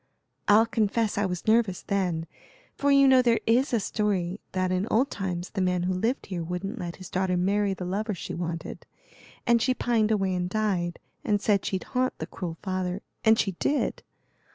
I'll confess I was nervous then, for you know there is a story that in old times the man who lived here wouldn't let his daughter marry the lover she wanted, and she pined away and died, and said she'd haunt the cruel father, and she did.